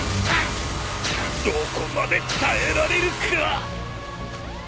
どこまで耐えられるか。